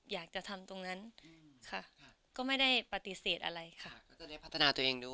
อยากจะทำตรงนั้นค่ะก็ไม่ได้ปฏิเสธอะไรค่ะ